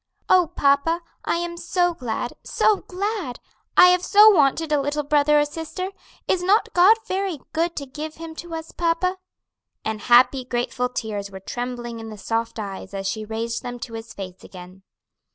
"Oh, papa, I am so glad, so glad! I have so wanted a little brother or sister. Is not God very good to give him to us, papa?" And happy, grateful tears were trembling in the soft eyes as she raised them to his face again.